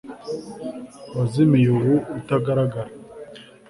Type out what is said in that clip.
wazimiye ubu utagaragara